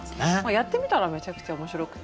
やってみたらめちゃくちゃ面白くて。